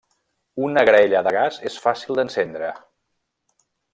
Una graella de gas és fàcil d'encendre.